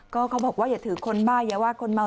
ก็เขาบอกว่าอย่าถือคนบ้าอย่าว่าคนเมา